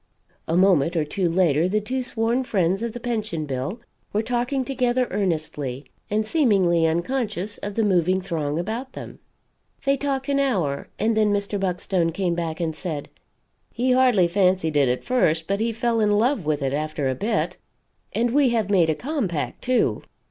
A moment or two later the two sworn friends of the Pension bill were talking together, earnestly, and seemingly unconscious of the moving throng about them. They talked an hour, and then Mr. Buckstone came back and said: "He hardly fancied it at first, but he fell in love with it after a bit. And we have made a compact, too.